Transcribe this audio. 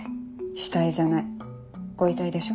死体じゃないご遺体でしょ？